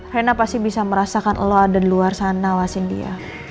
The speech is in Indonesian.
hena pasti bisa merasakan lo ada di luar sana wasin dia